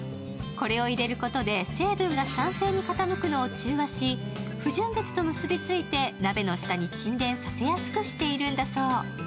これを入れることで成分が酸性に傾くのを中和し不純物と結びついて鍋の下に沈殿させやすくしているんだそう。